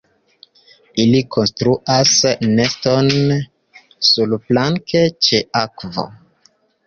Ili konstruas neston surplanke ĉe akvo.